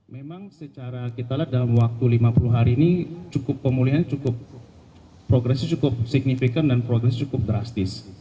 memang secara kita lihat dalam waktu lima puluh hari ini kemuliaan cukup progresif cukup signifikan dan progresif cukup drastis